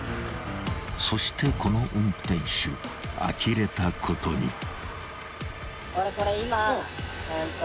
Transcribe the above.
［そしてこの運転手あきれたことに］